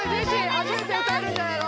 初めて歌えるんじゃないの？